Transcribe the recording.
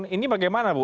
ini bagaimana bu